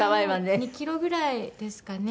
もう２キロぐらいですかね。